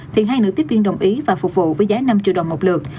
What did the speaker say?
thì hai nữ tiếp viên đồng ý và phục vụ với giá năm triệu đồng một lượt